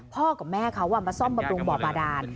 พ่อกับแม่เขามาซ่อมบันตรงบ่อบาดาน